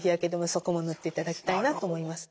そこも塗っていただきたいなと思います。